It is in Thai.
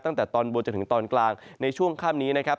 ตั้งแต่ตอนบนจนถึงตอนกลางในช่วงค่ำนี้นะครับ